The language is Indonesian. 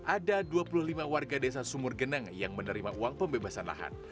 ada dua puluh lima warga desa sumur geneng yang menerima uang pembebasan lahan